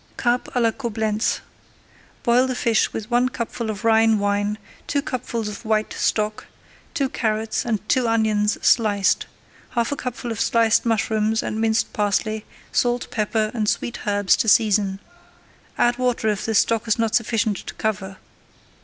CARP À LA COBLENTZ Boil the fish with one cupful of Rhine wine, two cupfuls of white [Page 86] stock, two carrots and two onions sliced, half a cupful of sliced mushrooms and minced parsley, salt, pepper, and sweet herbs to season. Add water if the stock is not sufficient to cover.